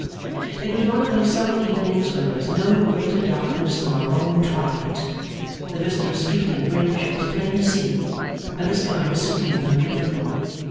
It was one of those summer evenings when there is no greater darkness than a long twilight. The vista of street and bridge was plain to see, and the sky was serene and beautiful.